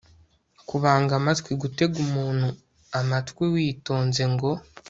kubanga amatwi gutega umuntu amatwi witonze ngo